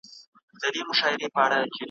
او مخاطب یې لوستونکي او اورېدونکي دي ,